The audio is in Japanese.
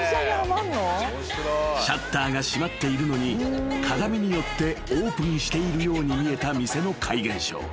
［シャッターが閉まっているのに鏡によってオープンしているように見えた店の怪現象］